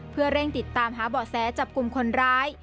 เพื่อเร่งติดตามหาเบาะแสจับกลุ่มคนร้าย